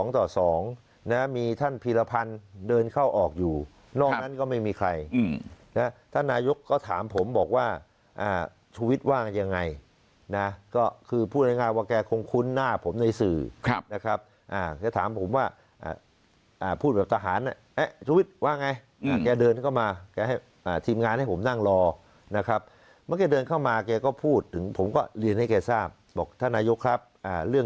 ต่อสองนะมีท่านพีรพันธุ์เดินเข้าออกอยู่นอกนั้นก็ไม่มีใครอืมแล้วท่านนายกก็ถามผมบอกว่าอ่าชุวิตว่ายังไงนะก็คือพูดในงานว่าแกคงคุ้นหน้าผมในสื่อครับนะครับอ่าจะถามผมว่าอ่าพูดแบบทหารน่ะเอ๊ะชุวิตว่าไงอืมแกเดินเข้ามาแกให้อ่าทีมงานให้ผมนั่งรอนะครับเมื่อกี้เดินเข้ามาแกก็พูดถึงผมก็เร